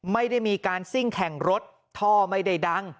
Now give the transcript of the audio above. ไม่ได้มีการซิ่งแข่งรถท่อไม่ได้ดัง